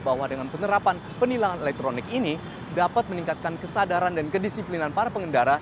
bahwa dengan penerapan penilangan elektronik ini dapat meningkatkan kesadaran dan kedisiplinan para pengendara